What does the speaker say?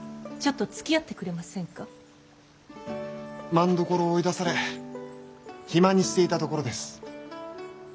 政所を追い出され暇にしていたところです。